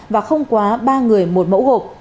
và không quá ba người một mẫu hộp